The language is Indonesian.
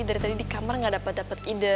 dari tadi di kamar gak dapet dapet ide